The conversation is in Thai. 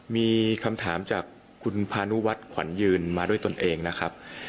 มีคำถามจากคุณพานุวัฒน์ขวัญยืนมาด้วยตนเองนะครับ